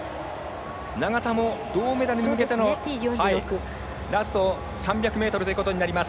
永田も銅メダルに向けてのラスト３００ｍということになります。